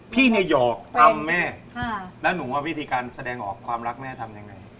พี่เนี่ยหยอกทำแม่แล้วหนูว่าวิธีการแสดงออกความรักแม่ทำยังไง